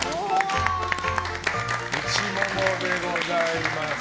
うちももでございます。